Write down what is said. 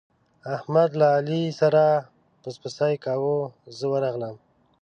احمد له علي سره پسپسی کاوو، زه ورغلم.